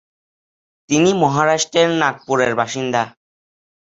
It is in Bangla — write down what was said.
তিনি মহারাষ্ট্রের নাগপুরের বাসিন্দা।